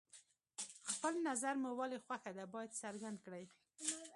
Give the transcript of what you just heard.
خپل نظر مو ولې خوښه ده باید څرګند کړئ.